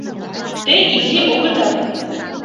Те изи огыдал...